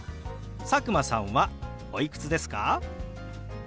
佐久間さんはおいくつですか？